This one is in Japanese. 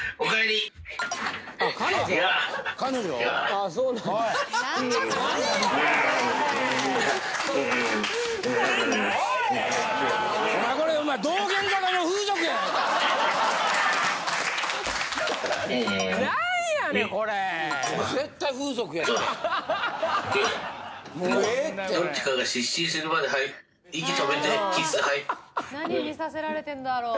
あなに見させられてるんだろう。